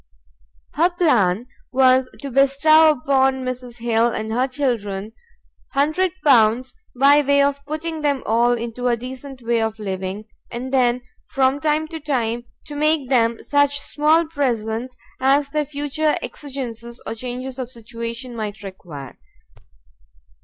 Her plan was to bestow upon Mrs Hill and her children L100 by way of putting them all into a decent way of living; and, then, from time to time, to make them such small presents as their future exigencies or changes of situation might require.